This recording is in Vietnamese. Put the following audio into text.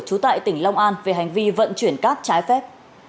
trú tại tỉnh long an về hành vi vận chuyển cát trái phép